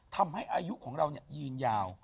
ทำให้อายุของเรายืนยาว